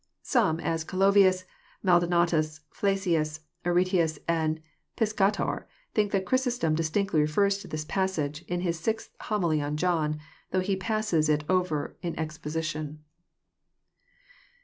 Some, as Calovlus, Maldonatus, Flaclus, Aretlus, and Flsca tor, think that Chrysostom distinctly refers to this passage, In bis Sixtieth Homily on John, though he passes It over in expo sition.